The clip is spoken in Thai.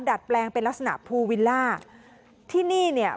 ดัดแปลงเป็นลักษณะภูวิลล่าที่นี่เนี่ย